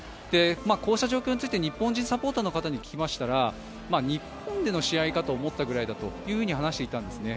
こうした状況について日本人サポーターの方に聞きましたら日本での試合かと思ったぐらいだと話していたんですね。